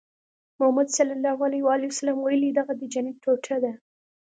محمد ص ویلي دغه د جنت ټوټه ده.